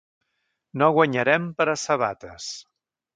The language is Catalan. No guanyarem per a sabates.